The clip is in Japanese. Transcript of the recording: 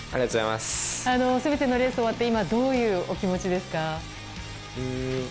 全てのレースを終えて今、どういうお気持ちですか？